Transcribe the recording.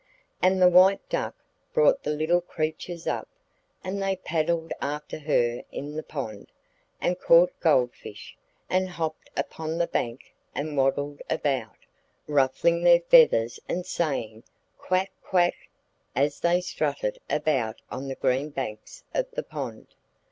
And the White Duck brought the little creatures up, and they paddled after her in the pond, and caught gold fish, and hopped upon the bank and waddled about, ruffling their feathers and saying 'Quack, quack' as they strutted about on the green banks of the pond.